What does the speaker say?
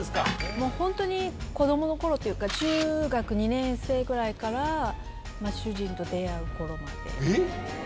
もう本当に子どものころというか、中学２年生ぐらいから、主人と出会うころまで。